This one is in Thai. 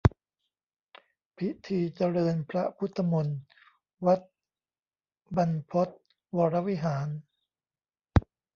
พิธีเจริญพระพุทธมนต์ วัดบรรพตวรวิหาร